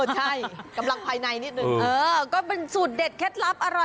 ใช่กำลังภายในนิดนึงเออก็เป็นสูตรเด็ดเคล็ดลับอร่อย